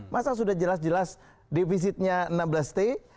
masa sudah jelas jelas defisitnya enam belas t